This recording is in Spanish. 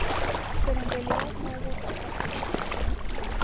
Pero en realidad no hubo tal castigo.